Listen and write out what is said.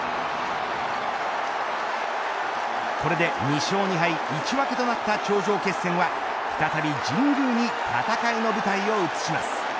これで２勝２敗１分けとなった頂上決戦は再び神宮に戦いの舞台を移します。